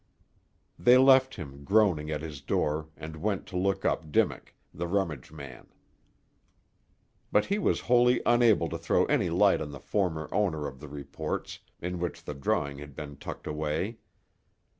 They left him, groaning at his door, and went to look up Dimmock, the rummage man. But he was wholly unable to throw any light on the former owner of the reports, in which the drawing had been tucked away.